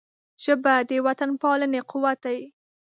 ژبه د وطنپالنې قوت دی